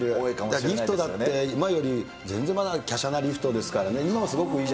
リフトだって、今より全然まだきゃしゃなリフトですからね。